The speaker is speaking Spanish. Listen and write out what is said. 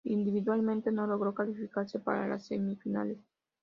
Individualmente no logró calificarse para las semifinales.